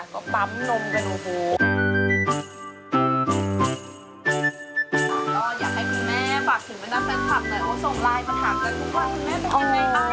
คุณแม่มาติดไว้มา